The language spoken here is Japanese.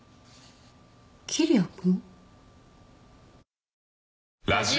桐矢君？